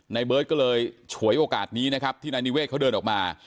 นายเบิร์ตก็เลยฉวยโอกาสนี้นะครับที่นายนิเวศเขาเดินออกมา